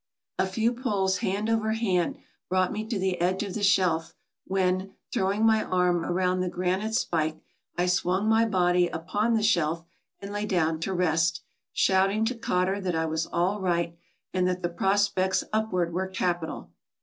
A few pulls hand over hand brought me to the edge of the shelf, when, throwing my arm around the granite spike, I swung my body upon the shelf and lay down to rest, shout ing to Cotter that I was all right, and that the prospects upward were capital.